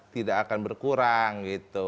tidak akan berkurang